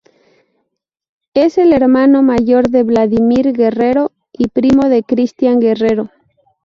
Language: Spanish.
Es el hermano mayor de Vladimir Guerrero y primo de Cristian Guerrero.